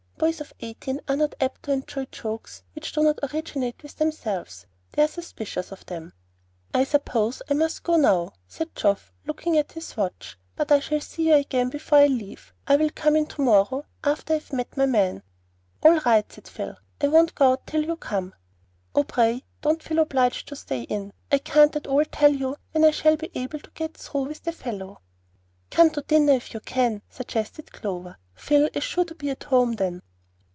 Boys of eighteen are not apt to enjoy jokes which do not originate with themselves; they are suspicious of them. "I suppose I must go now," said Geoff, looking at his watch; "but I shall see you again before I leave. I'll come in to morrow after I've met my man." "All right," said Phil; "I won't go out till you come." "Oh, pray don't feel obliged to stay in. I can't at all tell when I shall be able to get through with the fellow." "Come to dinner if you can," suggested Clover. "Phil is sure to be at home then."